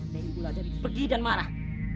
dewi ular jadi pegi dan marah